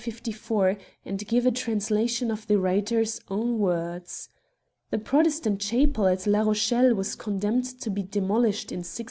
754), and give a trans lation of the writer's own words. "The Protestant chapel at La Rochelle was condemned to be demol ished in 1685.